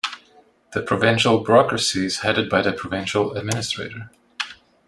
The provincial bureaucracy is headed by the provincial administrator.